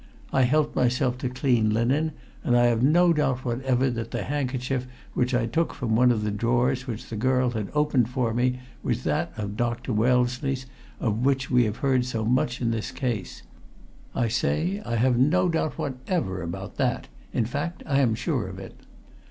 I helped myself to clean linen, and I have no doubt whatever that the handkerchief which I took from one of the drawers which the girl had opened for me was that of Dr. Wellesley's of which we have heard so much in this case. I say, I have no doubt whatever about that in fact, I am sure of it.